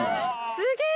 すげえ！